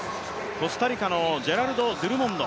コスタリカのジェラルド・ドゥルモンド。